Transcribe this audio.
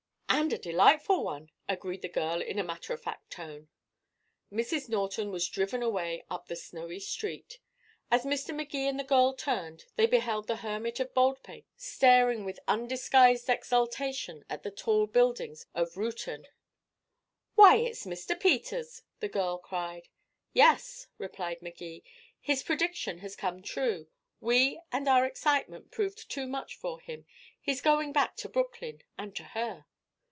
"And a delightful one," agreed the girl, in a matter of fact tone. Mrs. Norton was driven away up the snowy street. As Mr. Magee and the girl turned, they beheld the Hermit of Baldpate staring with undisguised exultation at the tall buildings of Reuton. "Why, it's Mr. Peters!" the girl cried. "Yes," replied Magee. "His prediction has come true. We and our excitement proved too much for him. He's going back to Brooklyn and to her."